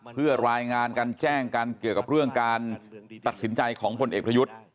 เพื่อรายงานกันแจ้งกันเกี่ยวกับเรื่องการตัดสินใจของพลเอกประยุทธ์